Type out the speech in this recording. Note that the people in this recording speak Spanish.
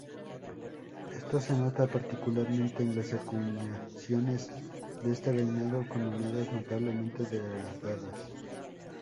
Esto se nota particularmente en las acuñaciones de este reinado, con monedas, notablemente degradadas.